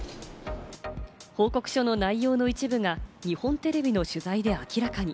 報告書の内容の一部が日本テレビの取材で明らかに。